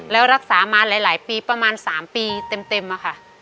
แล้วรักษามาหลายหลายปีประมาณสามปีเต็มเต็มอะค่ะ